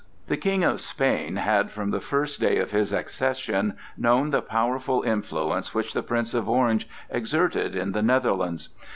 The King of Spain had from the first day of his accession known the powerful influence which the Prince of Orange exerted in the Netherlands.